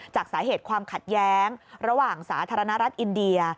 จากสาเหตุความขัดแย้งระหว่างสาธารณรัฐอินเดีย